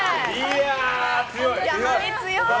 やはり強い！